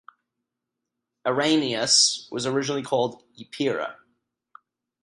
"Araneus" was originally called Epeira.